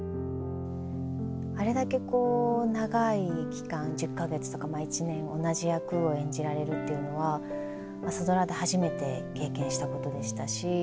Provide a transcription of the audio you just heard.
あれだけこう長い期間１０か月とかまあ１年同じ役を演じられるっていうのは「朝ドラ」で初めて経験したことでしたし。